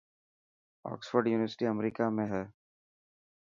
اوڪسفرڊ يونيورسٽي امريڪا ۾ هي.